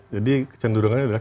jadi kecenderungannya adalah